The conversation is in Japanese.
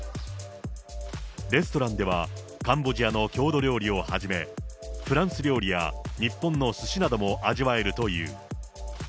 レストランではカンボジアの郷土料理をはじめ、フランス料理や日本のすしなども味わえるという。